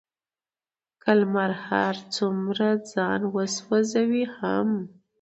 که لمر هر څومره ځان وسوزوي هم،